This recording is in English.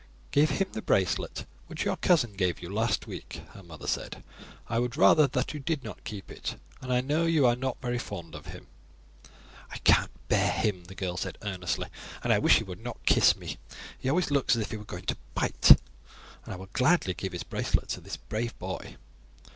"Give him the bracelet which your cousin gave you last week," her mother said; "I would rather that you did not keep it, and I know you are not very fond of him." "I can't bear him," the girl said earnestly, "and I wish he would not kiss me; he always looks as if he were going to bite, and I will gladly give his bracelet to this brave boy."